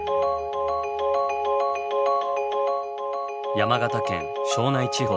山形県庄内地方